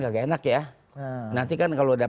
gak enak ya nanti kan kalau udah